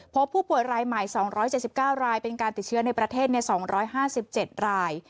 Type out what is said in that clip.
พบผู้ป่วยรายใหม่๒๗๙รายเป็นการติดเชื้อในประเทศ๒๕๗ราย